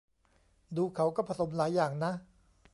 ดูเขาก็ผสมหลายอย่างนะ